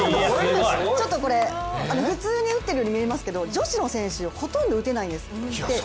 ちょっとこれ、普通に打っているように見えるんですけど、女子の選手、ほとんど打てないんです。